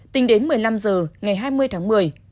tính đến một mươi năm h ngày hai mươi tháng một mươi